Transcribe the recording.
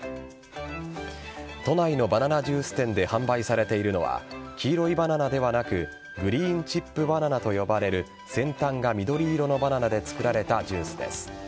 都内のバナナジュース店で販売されているのは黄色いバナナではなくグリーンチップバナナと呼ばれる先端が緑色のバナナで作られたジュースです。